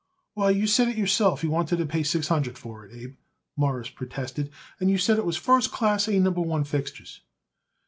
"Why, you say it yourself you wanted to pay six hundred for it, Abe," Morris protested, "and you said it was first class, A Number One fixtures."